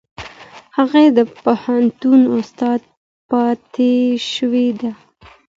هغې د پوهنتون استاده پاتې شوې ده.